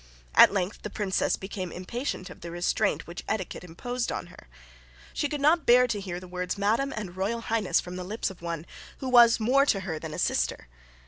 At length the Princess became impatient of the restraint which etiquette imposed on her. She could not bear to hear the words Madam and Royal Highness from the lips of one who was more to her than a sister.